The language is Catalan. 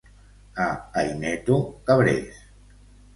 A Aineto, cabrers.